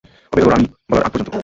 অপেক্ষা করো আমি বলার আগ পর্যন্ত।